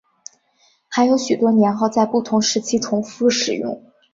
还有许多年号在不同时期重复使用。